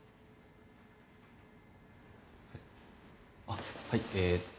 あっはいえ。